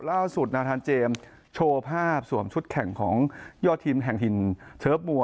ล่าสุดนาธานเจมส์โชว์ภาพสวมชุดแข่งของยอดทีมแห่งหินเทิร์ฟมัว